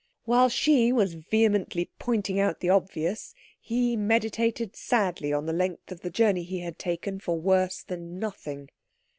While she was vehemently pointing out the obvious, he meditated sadly on the length of the journey he had taken for worse than nothing.